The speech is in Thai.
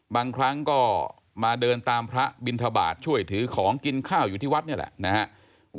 บางครั้งก็มาเดินตามพระบินทบาทช่วยถือของกินข้าวอยู่ที่วัดนี่แหละนะครับ